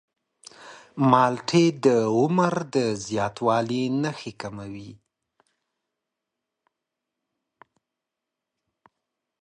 مالټې د عمر د زیاتوالي نښې کموي.